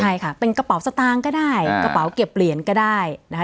ใช่ค่ะเป็นกระเป๋าสตางค์ก็ได้กระเป๋าเก็บเหรียญก็ได้นะคะ